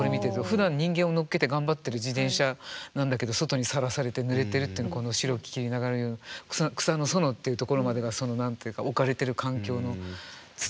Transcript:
ふだん人間を乗っけて頑張ってる自転車なんだけど外にさらされてぬれてるっていうのはこの「白き霧ながるる夜の草の園」っていうところまでが何て言うか置かれてる環境の包み込むような情景。